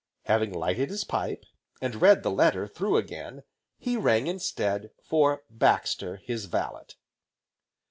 Having lighted his pipe, and read the letter through again, he rang instead for Baxter, his valet.